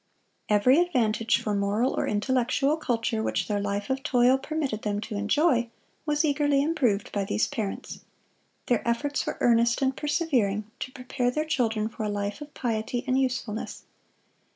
Every advantage for moral or intellectual culture which their life of toil permitted them to enjoy, was eagerly improved by these parents. Their efforts were earnest and persevering to prepare their children for a life of piety and usefulness.